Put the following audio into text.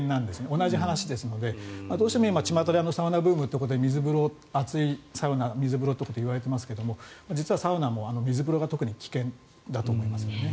同じ話ですのでどうしても今、ちまたでサウナブームということで水風呂、熱いサウナとか言われていますが実はサウナも水風呂が特に危険だと思います。